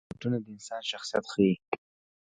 بوټونه د انسان شخصیت ښيي.